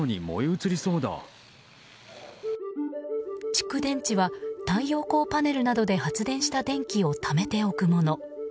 蓄電池は太陽光パネルなどで発電した電気をためておくもの。